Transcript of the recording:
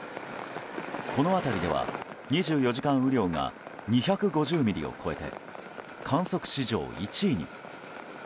この辺りでは２４時間雨量が２５０ミリを超えて観測史上１位に。